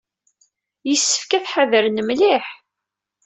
Yessefk ad tḥadren mliḥ.